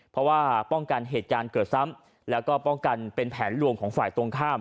เพราะว่าป้องกันเหตุการณ์เกิดซ้ำแล้วก็ป้องกันเป็นแผนลวงของฝ่ายตรงข้าม